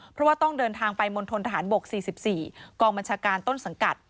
เพราะว่าต้องเดินทางไปมณฑนทหารบก๔๔กองบัญชาการต้นสังกัด